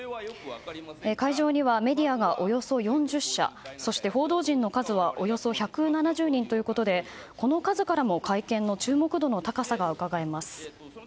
会場にはメディアがおよそ４０社そして報道陣の数はおよそ１７０人ということでこの数からも会見の注目度の高さがうかがえます。